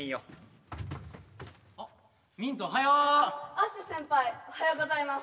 アッシュ先輩おはようございます。